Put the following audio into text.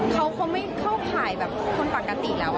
เขาคงไม่เข้าข่ายแบบคนปกติแล้ว